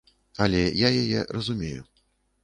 Але я яе разумею.